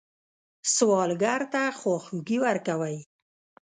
سوالګر ته خواخوږي ورکوئ